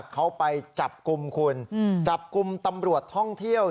เขาไปจับกลุ่มคุณจับกลุ่มตำรวจท่องเที่ยว